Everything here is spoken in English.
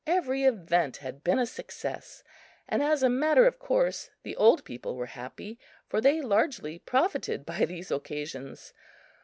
Every event had been a success; and, as a matter of course, the old people were happy, for they largely profited by these occasions.